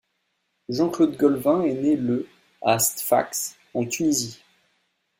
Jean-Claude Golvin est né le à Sfax en Tunisie.